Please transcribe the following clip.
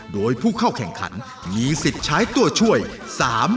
โดยผู้เข้าแข่งขันมีสิทธิ์ใช้ตัวช่วย๓